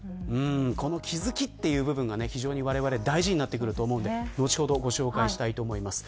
この気付きというのが大事になってくると思うんですが後ほどご紹介したいと思います。